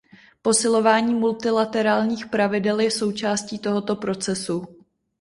Posilování multilaterálních pravidel je součástí tohoto procesu.